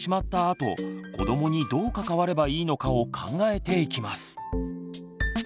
あと子どもにどう関わればいいのかを考えていきます。